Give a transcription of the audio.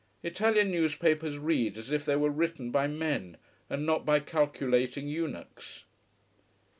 Italian newspapers read as if they were written by men, and not by calculating eunuchs.